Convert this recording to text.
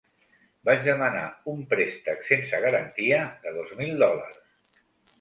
Vaig demanar un préstec sense garantia de dos mil dòlars.